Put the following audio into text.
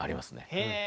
へえ！